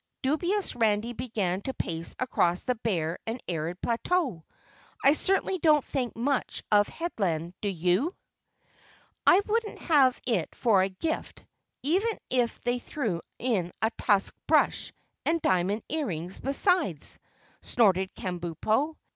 Dubiously Randy began to pace across the bare and arid plateau. "I certainly don't think much of Headland, do you?" "I wouldn't have it for a gift, even if they threw in a tusk brush and diamond earrings besides!" snorted Kabumpo.